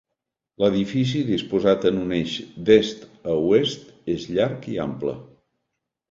L'edifici, disposat en un eix d'est a oest, és llarg i ample.